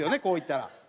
こういったら。